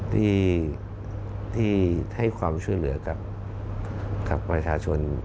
ที่ให้ความช่วยเหลือกับประชาชน